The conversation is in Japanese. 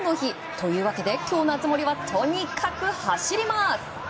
というわけで、きょうの熱盛はとにかく走ります！